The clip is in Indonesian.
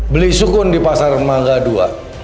beli sukun di pasar mangga ii